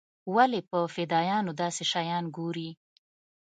ولې په فدايانو داسې شيان ګوري.